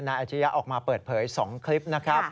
อาชียะออกมาเปิดเผย๒คลิปนะครับ